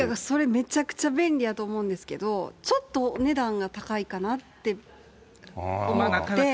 めちゃくちゃ便利やと思うんですけど、ちょっとお値段が高いかなって思って。